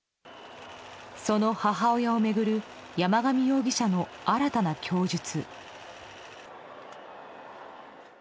その母親を巡る山上容疑者の新たな供述。